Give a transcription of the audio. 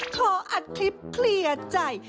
ขออัดคลิปเคลียร์ใจ